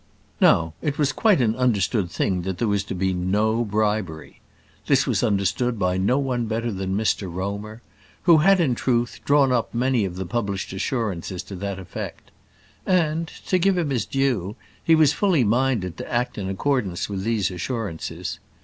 Now it was quite an understood thing that there was to be no bribery. This was understood by no one better than by Mr Romer, who had, in truth, drawn up many of the published assurances to that effect. And, to give him his due, he was fully minded to act in accordance with these assurances.